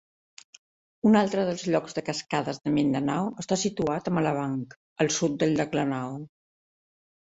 Un altre dels llocs de cascades de Mindanao està situat a Malabang, al sud del llac Lanao.